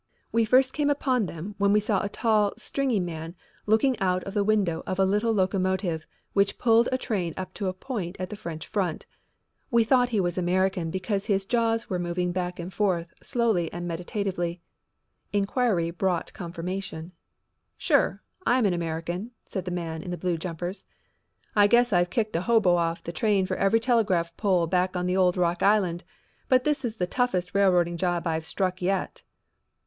We first came upon them when we saw a tall, stringy man looking out of the window of a little locomotive which pulled a train up to a point at the French front. We thought he was an American because his jaws were moving back and forth slowly and meditatively. Inquiry brought confirmation. "Sure, I'm an American," said the man in the blue jumpers. "I guess I've kicked a hobo off the train for every telegraph pole back on the old Rock Island, but this is the toughest railroading job I've struck yet."